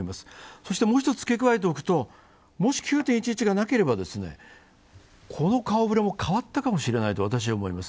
そしてもう一つ付け加えておくと、もし９・１１がなければこの顔ぶれも変わったかもしれないと私は思います。